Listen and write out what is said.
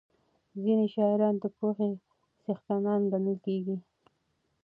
ځینې شاعران د پوهې څښتنان ګڼل کېږي.